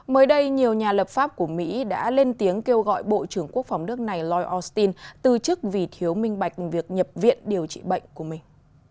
mới đây nhiều nhà lập pháp của mỹ đã lên tiếng kêu gọi bộ trưởng quốc phòng nước này loy austin từ chức vì thiếu minh bạch việc nhập viện điều trị bệnh của mình